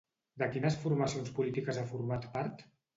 De quines formacions polítiques ha format part?